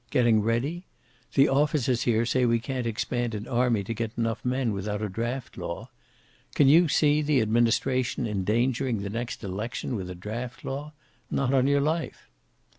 Getting ready? The officers here say we can't expand an army to get enough men without a draft law. Can you see the administration endangering the next election with a draft law? Not on your life.